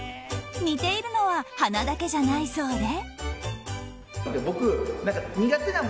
似ているのは鼻だけじゃないそうで。